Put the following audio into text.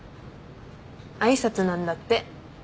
挨拶なんだって。